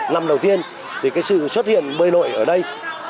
năm đầu tiên sự xuất hiện bơi nội ở đây